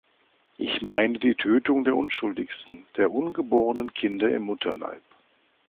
Ich meine die Tötung der Unschuldigsten – der ungeborenen Kinder im Mutterleib.